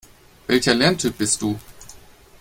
Welcher Lerntyp bist du?